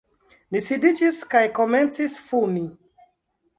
Ni sidiĝis kaj komencis fumi.